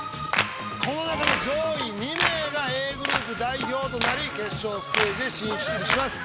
この中の上位２名がＡグループ代表となり決勝ステージへ進出します。